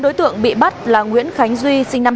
bốn đối tượng bị bắt là nguyễn khánh duyên